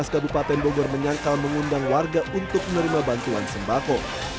kabupaten bogor menyangkal mengundang warga untuk menerima bantuan sembako